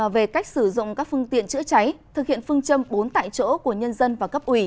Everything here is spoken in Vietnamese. về cách sử dụng các phương tiện chữa cháy thực hiện phương châm bốn tại chỗ của nhân dân và cấp ủy